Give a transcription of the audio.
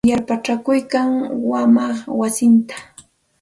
Yarpachakuykan wamaq wasinta.